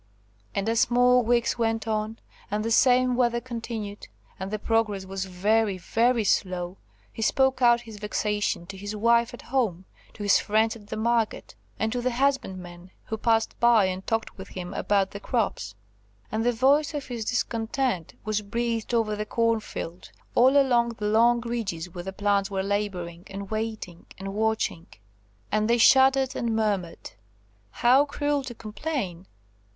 And as more weeks went on, and the same weather continued, and the progress was very, very slow, he spoke out his vexation, to his wife at home, to his friends at the market, and to the husbandmen who passed by and talked with him about the crops. And the voice of his discontent was breathed over the corn field, all along the long ridges where the plants were labouring, and waiting, and watching. And they shuddered and murmured,–"How cruel to complain!